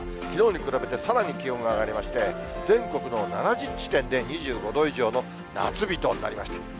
きのうに比べてさらに気温が上がりまして、全国の７０地点で２５度以上の夏日となりました。